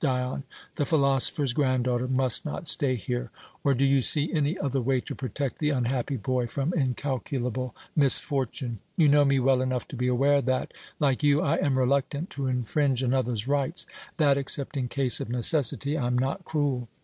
Dion, the philosopher's granddaughter must not stay here. Or do you see any other way to protect the unhappy boy from incalculable misfortune? You know me well enough to be aware that, like you, I am reluctant to infringe another's rights, that except in case of necessity I am not cruel.